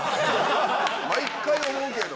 毎回思うけど。